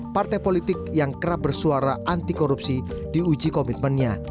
partai politik yang kerap bersuara anti korupsi diuji komitmennya